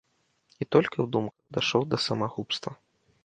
І толькі ў думках дайшоў да самагубства.